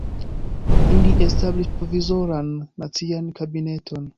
Ili establis Provizoran Nacian Kabineton.